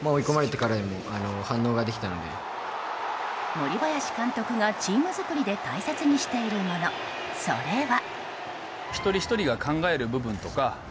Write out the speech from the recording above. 森林監督がチーム作りで大切にしているもの、それは。